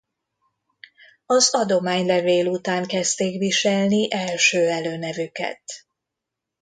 Az adománylevél után kezdték viselni első előnevüket.